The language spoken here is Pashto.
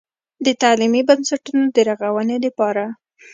د تعليمي بنسټونو د رغونې دپاره